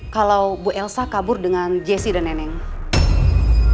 kalau bu elsa kabur dengan jessy dan nenek